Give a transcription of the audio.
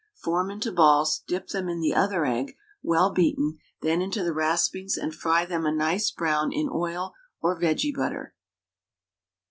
Form into balls, dip them in the other egg, well beaten, then into the raspings and fry them a nice brown in oil or vege butter.